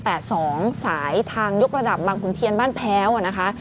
สายทางยกระดับบางขุนเทียนบ้านแพ้วนะคะ